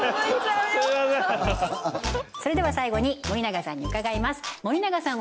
それでは最後に森永さんに伺います森永さん